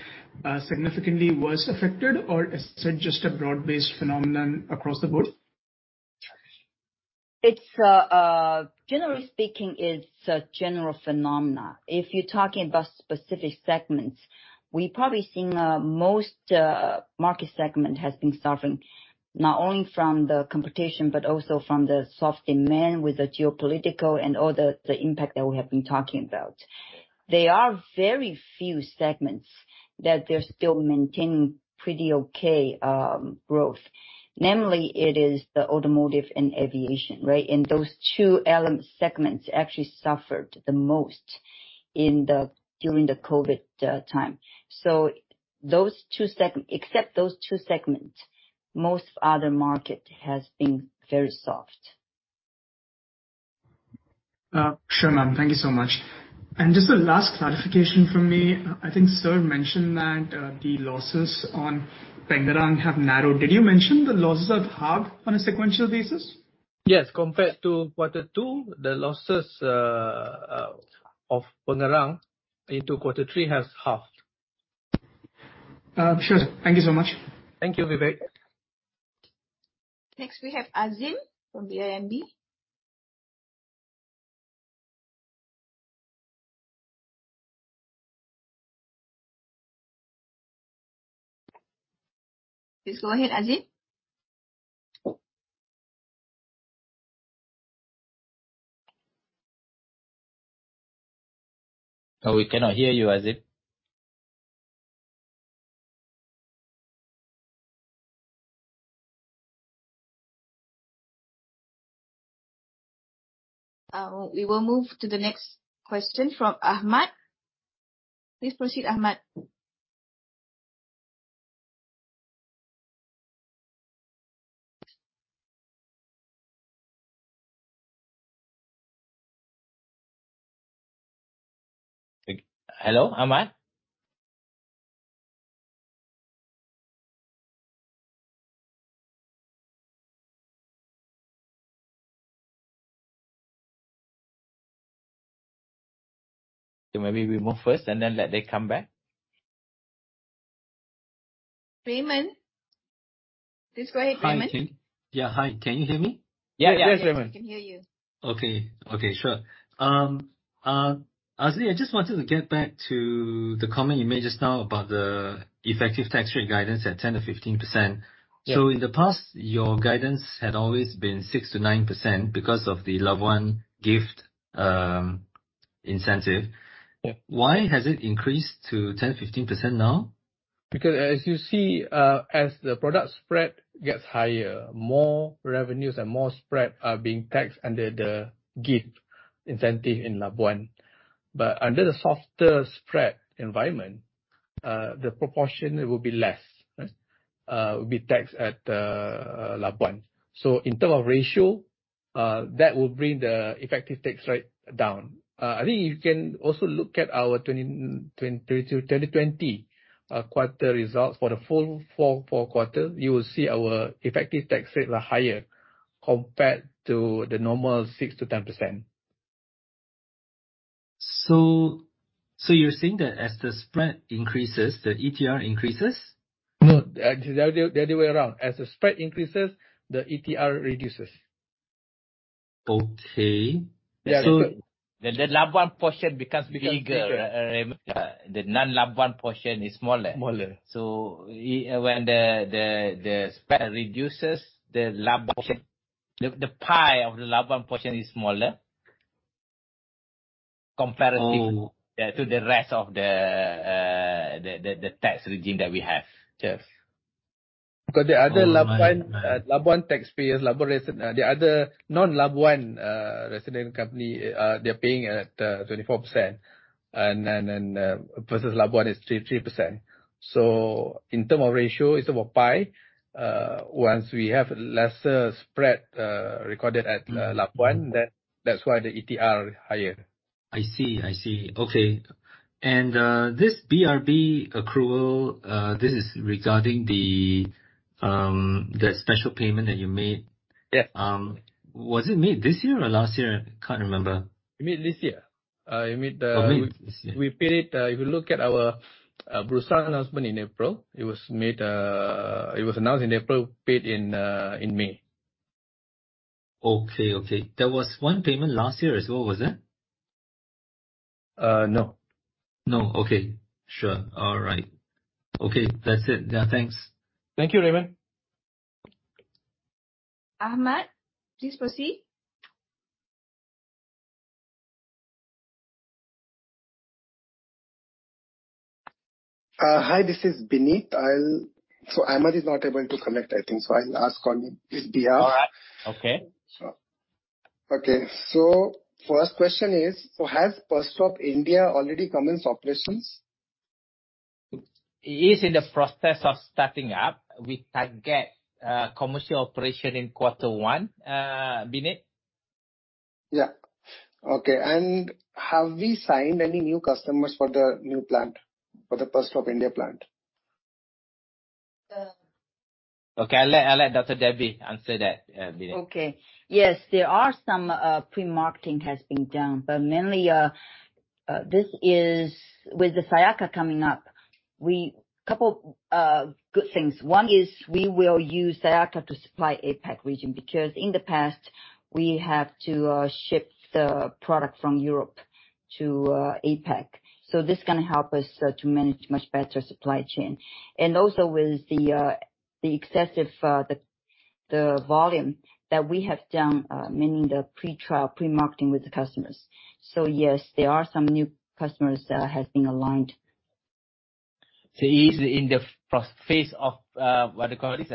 significantly worse affected, or is it just a broad-based phenomenon across the board? It's generally speaking, it's a general phenomenon. If you're talking about specific segments, we've probably seen most market segment has been suffering, not only from the competition, but also from the soft demand with the geopolitical and all the impact that we have been talking about. There are very few segments that they're still maintaining pretty okay growth. Namely, it is the Automotive and Aviation, right? And those two segments actually suffered the most in the during the COVID time. So those two segments except those two segments, most other market has been very soft. Sure, ma'am. Thank you so much. Just a last clarification from me. I think Sir mentioned that the losses on Pengerang have narrowed. Did you mention the losses are half on a sequential basis? Yes. Compared to quarter two, the losses of Pengerang into quarter three has halved. Sure, Sir. Thank you so much. Thank you, Vivek. Next, we have Azim from BIMB. Please go ahead, Azim. We cannot hear you, Azim. We will move to the next question from Ahmad. Please proceed, Ahmad. Hello, Ahmad? So maybe we move first and then let them come back. Raymond? Please go ahead, Raymond. Hi. Yeah, hi. Can you hear me? Yeah, yeah, Raymond. We can hear you. Okay. Okay, sure. Azli, I just wanted to get back to the comment you made just now about the effective tax rate guidance at 10%-15%. Yeah. In the past, your guidance had always been 6%-9% because of the Labuan IBFC incentive. Yeah. Why has it increased to 10%-15% now? Because as you see, as the product spread gets higher, more revenues and more spread are being taxed under the GIFT incentive in Labuan. But under the softer spread environment, the proportion will be less, right, will be taxed at Labuan. So in term of ratio, that will bring the effective tax rate down. I think you can also look at our 2020 to 2020 quarter results. For the full four quarters, you will see our effective tax rates are higher compared to the normal 6%-10%. So, you're saying that as the spread increases, the ETR increases? No, the other, the other way around. As the spread increases, the ETR reduces. Okay. So- The Labuan portion becomes bigger. Becomes bigger. The non-Labuan portion is smaller. Smaller. So when the spread reduces, the Labuan pie of the Labuan portion is smaller comparatively- Oh. To the rest of the tax regime that we have. Yes. Because the other Labuan taxpayers, the other non-Labuan resident company, they're paying at 24%, and then versus Labuan is 3, 3%. So in term of ratio, it's about PI. Once we have lesser spread recorded at Labuan, then that's why the ETR higher. I see. I see. Okay. And this BRB accrual, this is regarding the special payment that you made? Yeah. Was it made this year or last year? I can't remember. We made it this year. For me, this year. We paid it. If you look at our Bursa announcement in April, it was announced in April, paid in May. Okay, okay. There was one payment last year as well, was it? Uh, no. No. Okay, sure. All right. Okay, that's it. Yeah, thanks. Thank you, Raymond. Ahmad, please proceed. Hi, this is Bineet. I'll... So Ahmad is not able to connect, I think, so I'll ask on his behalf. All right. Okay. Okay. So first question is: So has Perstorp India already commenced operations? It is in the process of starting up. We target commercial operation in quarter one, Bineet. Yeah. Okay. Have we signed any new customers for the new plant, for the Perstorp India plant? Uh- Okay, I'll let Dr. Debbie answer that, Bineet. Okay. Yes, there are some pre-marketing has been done, but mainly this is with the Sayakha coming up, we couple good things. One is we will use Sayakha to supply APAC region, because in the past, we have to ship the product from Europe to APAC. So this is gonna help us to manage much better supply chain. And also with the the excessive the the volume that we have done meaning the pre-trial, pre-marketing with the customers. So yes, there are some new customers has been aligned. So it is in the pro-- phase of what you call this,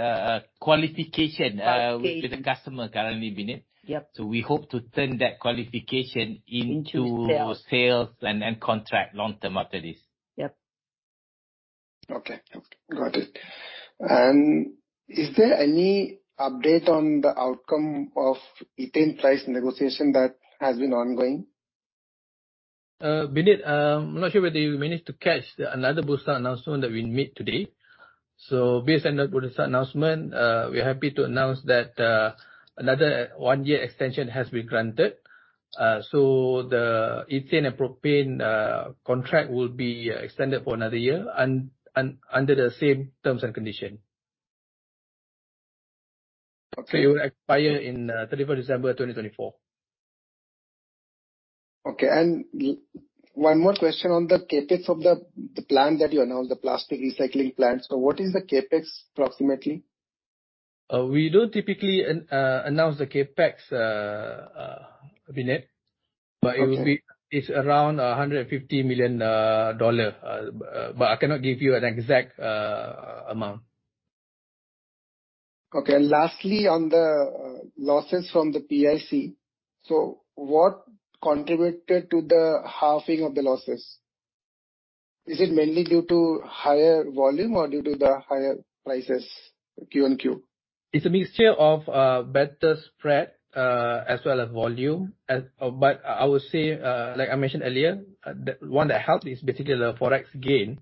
qualification- Qualification... with the customer currently, Bineet. Yep. So we hope to turn that qualification into- Sales - sales and contract long-term after this. Yep. Okay. Okay, got it. Is there any update on the outcome of the Ethane price negotiation that has been ongoing? Bineet, I'm not sure whether you managed to catch another Bursa announcement that we made today. So based on that Bursa announcement, we're happy to announce that another one-year extension has been granted. So the ethane and propane contract will be extended for another year under the same terms and conditions. Okay. So it will expire in 31st December 2024. Okay, and one more question on the CapEx of the, the plant that you announced, the plastic recycling plant. So what is the CapEx, approximately? We don't typically announce the CapEx, Bineet. Okay. But it will be... It's around $150 million. But I cannot give you an exact amount. Okay. And lastly, on the losses from the PIC. So what contributed to the halving of the losses? Is it mainly due to higher volume or due to the higher prices, Q and Q? It's a mixture of better spread as well as volume. But I would say, like I mentioned earlier, the one that helped is basically the Forex gain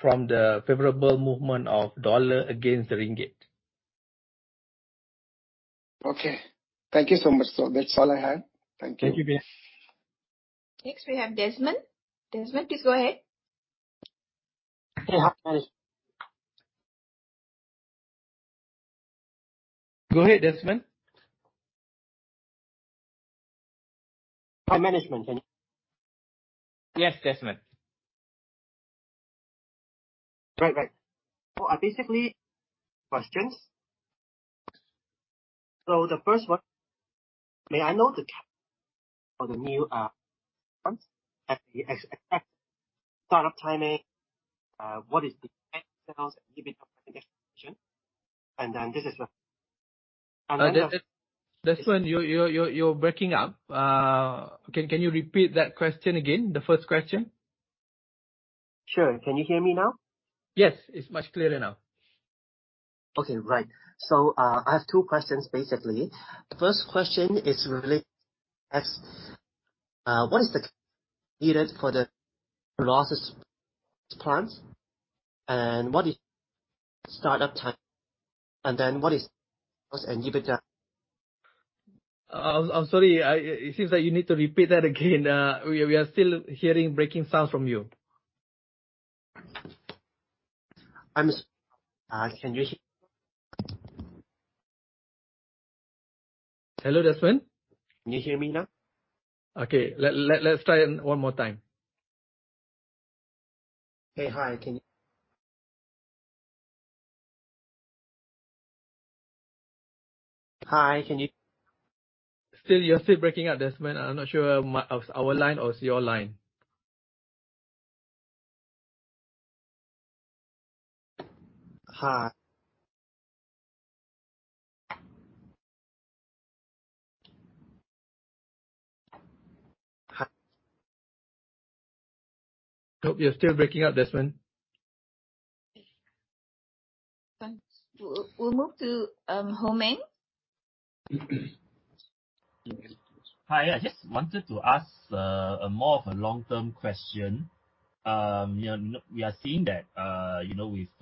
from the favorable movement of dollar against the ringgit. Okay. Thank you so much. So that's all I had. Thank you. Thank you, Bineet. Next, we have Desmond. Desmond, please go ahead. Hey, hi, guys. Go ahead, Desmond. Hi, management, can you- Yes, Desmond. Right, right. So I basically questions. So the first one: May I know the CapEx for the new ones, as we expect start-up timing? What is the sales and EBITDA presentation? And then this is the- Desmond, you're breaking up. Can you repeat that question again, the first question? Sure. Can you hear me now? Yes. It's much clearer now. Okay, right. So, I have two questions, basically. The first question is related to, what is the need for the Labuan plants, and what is start-up time, and then what is, what's EBITDA? I'm sorry. It seems like you need to repeat that again. We are still hearing breaking sounds from you. Can you hear? Hello, Desmond? Can you hear me now? Okay. Let's try it one more time. Hey, hi. Can you-... Hi, can you- Still, you're still breaking up, Desmond. I'm not sure my, our, our line or it's your line. Hi. Hi. Nope, you're still breaking up, Desmond. Thanks. We'll move to Ho Meng. Hi. I just wanted to ask, more of a long-term question. You know, we are seeing that, you know, with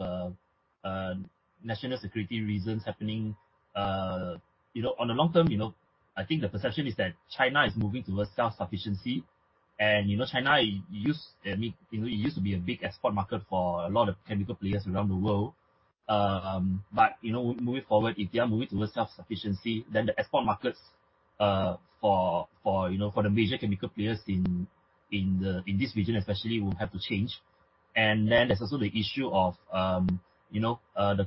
national security reasons happening, you know, on the long term, you know, I think the perception is that China is moving towards self-sufficiency. And, you know, China used, I mean, you know, it used to be a big export market for a lot of chemical players around the world. But, you know, moving forward, if they are moving towards self-sufficiency, then the export markets, for, you know, for the major chemical players in this region especially, will have to change. Then there's also the issue of, you know, the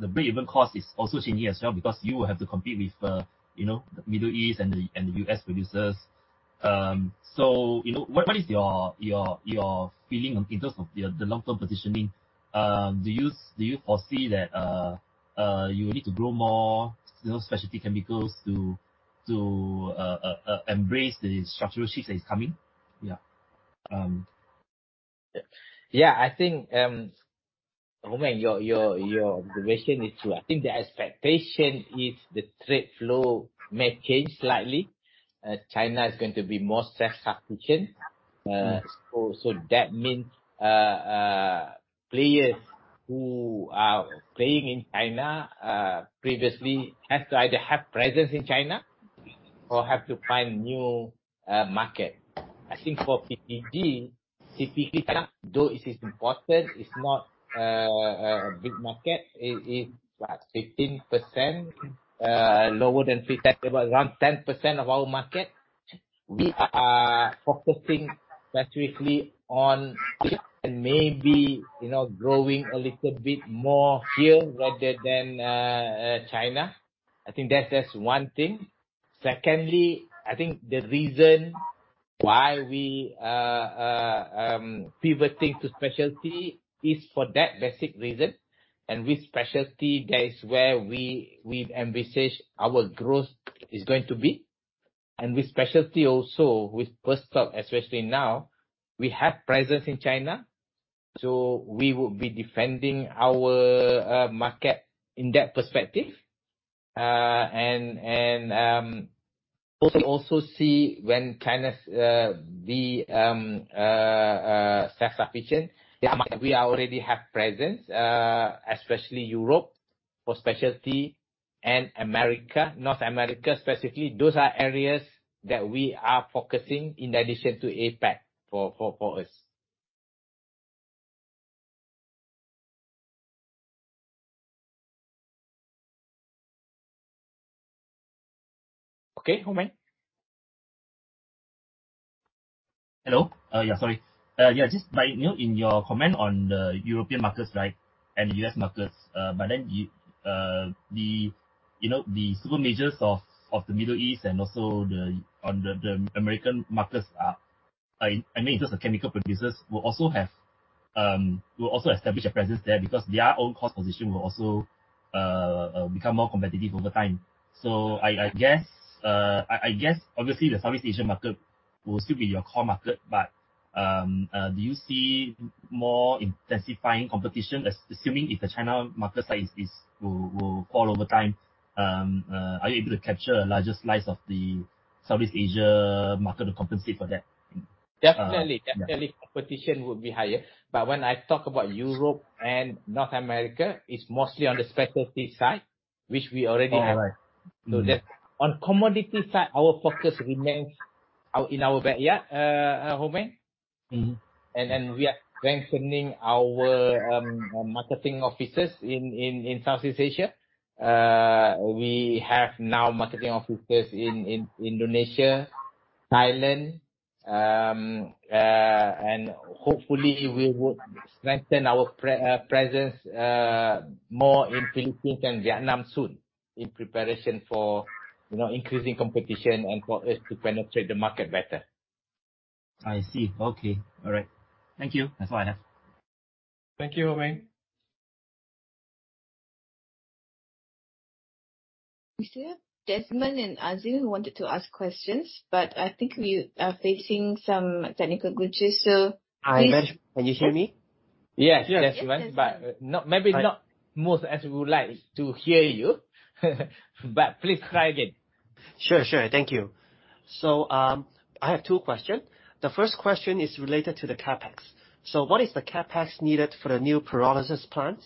breakeven cost is also changing as well, because you will have to compete with, you know, the Middle East and the U.S. producers. So, you know, what is your feeling in terms of the long-term positioning? Do you foresee that you will need to grow more, you know, specialty chemicals to embrace the structural shift that is coming? Yeah. Yeah, I think, Ho Meng, your observation is true. I think the expectation is the trade flow may change slightly, China is going to be more self-sufficient. So that means, players who are playing in China, previously, has to either have presence in China or have to find new market. I think for PCG, China, though it is important, it's not a big market. It is, what? 15%, lower than 50, about around 10% of our market. We are focusing specifically on and maybe, you know, growing a little bit more here rather than China. I think that's just one thing. Secondly, I think the reason why we pivoting to specialty is for that basic reason, and with specialty, that is where we envisage our growth is going to be. With Perstorp, especially now, we have presence in China, so we will be defending our market in that perspective. And also see when China's be self-sufficient, we already have presence, especially Europe, for specialty and America, North America specifically. Those are areas that we are focusing in addition to APAC for us. Okay, Ho Meng. Hello. Yeah, sorry. Yeah, just by, you know, in your comment on the European markets, right, and the U.S. markets, but then, you, the, you know, the super majors of, of the Middle East and also the, on the, the American markets are, I mean, just the chemical producers will also have, will also establish a presence there because their own cost position will also, become more competitive over time. So I guess, I guess obviously, the Southeast Asian market will still be your core market, but, do you see more intensifying competition, as assuming if the China market size is, will, will fall over time, are you able to capture a larger slice of the Southeast Asia market to compensate for that? Definitely, definitely, competition will be higher. But when I talk about Europe and North America, it's mostly on the specialty side, which we already have. All right. So, that on commodity side, our focus remains out in our backyard, Ho Meng. Mm-hmm. We are strengthening our marketing offices in Southeast Asia. We have now marketing offices in Indonesia, Thailand, and hopefully, we will strengthen our presence more in Philippines and Vietnam soon, in preparation for, you know, increasing competition and for us to penetrate the market better. I see. Okay, all right. Thank you. That's all I have. Thank you, Ho Meng. We still have Desmond and Azli, who wanted to ask questions, but I think we are facing some technical glitches, so please- Hi, can you hear me? Yes, Desmond. Yes. But not... Maybe not most as we would like to hear you. But please try again. Sure, sure. Thank you. So, I have two questions. The first question is related to the CapEx. So what is the CapEx needed for the new pyrolysis plant?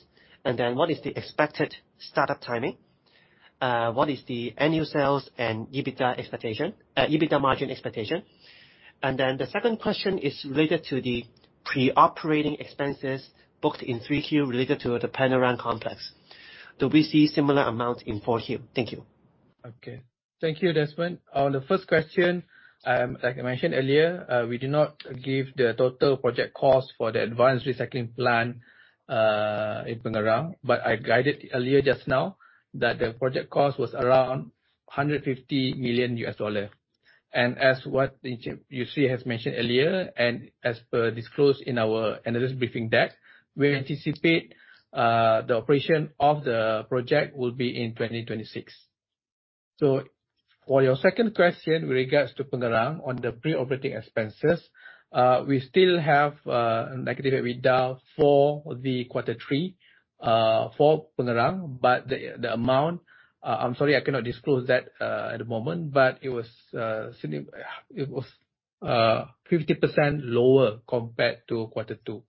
And then what is the expected startup timing? What is the annual sales and EBITDA expectation, EBITDA margin expectation? And then the second question is related to the pre-operating expenses booked in Q3, related to the Pengerang complex. Do we see similar amount in Q4? Thank you. Okay. Thank you, Desmond. On the first question, like I mentioned earlier, we do not give the total project cost for the advanced recycling plant in Pengerang, but I guided earlier just now that the project cost was around $150 million. And as what you see, has mentioned earlier, and as per disclosed in our analyst briefing deck, we anticipate the operation of the project will be in 2026. So for your second question, with regards to Pengerang on the pre-operating expenses, we still have negative EBITDA for the quarter three for Pengerang, but the, the amount, I'm sorry, I cannot disclose that at the moment, but it was 50% lower compared to quarter two.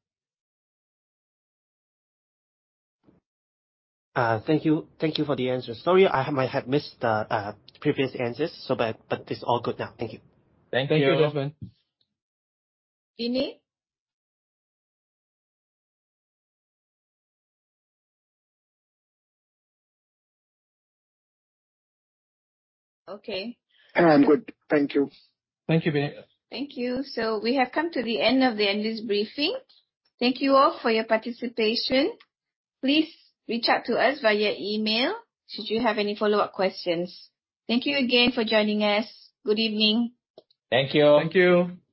Thank you. Thank you for the answer. Sorry, I might have missed the previous answers, so but it's all good now. Thank you. Thank you. Thank you, Desmond. Bineet? Okay. Good. Thank you. Thank you, Bineet. Thank you. So we have come to the end of the analyst briefing. Thank you all for your participation. Please reach out to us via email should you have any follow-up questions. Thank you again for joining us. Good evening. Thank you. Thank you.